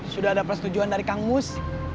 sudah ada persetujuan dari kang mus